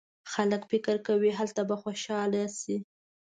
خلک فکر کوي هلته به خوشاله شي.